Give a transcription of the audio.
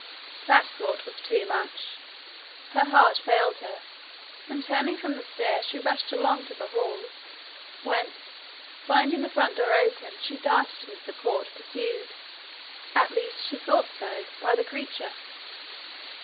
That thought was too much. Her heart failed her, and, turning from the stair, she rushed along to the hall, whence, finding the front door open, she darted into the court pursued at least she thought so by the creature.